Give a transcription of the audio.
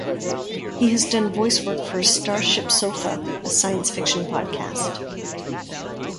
He has done voice work for StarShipSofa, a science-fiction podcast.